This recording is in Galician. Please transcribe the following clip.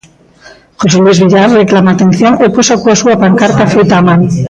José Luis Villar reclama atención e posa coa súa pancarta feita á man.